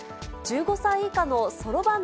１５歳以下のそろばん